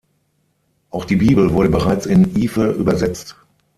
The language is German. Auch die Bibel wurde bereits in Ife übersetzt.